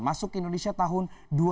masuk ke indonesia tahun dua ribu dua puluh